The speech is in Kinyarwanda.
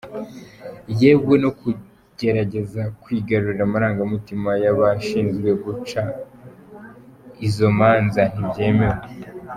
Yewe no kugerageza kwigarurira amarangamutima y’abashinzwe guca izo manza ntibyemewe.